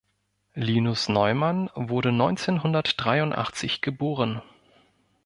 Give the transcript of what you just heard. Linus Neumann wurde neunzehnhundertdreiundachtzig geboren.